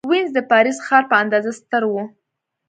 وینز د پاریس ښار په اندازه ستر و.